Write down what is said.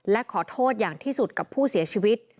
และขอโทษอย่างที่สุดกับผู้เสียชีวิต